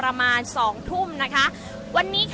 อาจจะออกมาใช้สิทธิ์กันแล้วก็จะอยู่ยาวถึงในข้ามคืนนี้เลยนะคะ